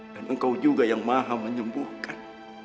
dan engkau juga yang maha menyembuhkan